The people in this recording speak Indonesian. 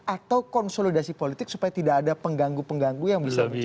atau konsolidasi politik supaya tidak ada pengganggu pengganggu yang bisa berjalan